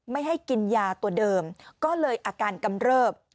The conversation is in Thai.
ไม่ให้กินยาตัวเดิมก็เลยอาการกำเริบ